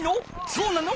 そうなの？